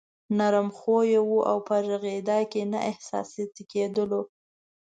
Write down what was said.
نرم خويه وو او په غږېدا کې نه احساساتي کېدلو.